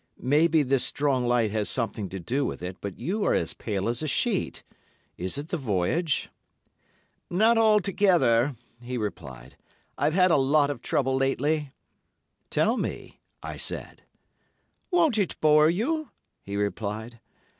'Maybe this strong light has something to do with it, but you are as pale as a sheet. Is it the voyage?' "'Not altogether,' he replied. 'I've had a lot of trouble lately.' "'Tell me,' I said. "'Won't it bore you?' he replied.